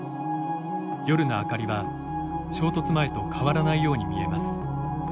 夜の明かりは、衝突前と変わらないように見えます。